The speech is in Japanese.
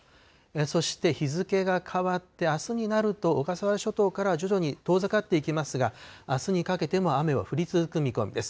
そして日付が変わってあすになると、小笠原諸島からは徐々に遠ざかっていきますが、あすにかけても雨は降り続く見込みです。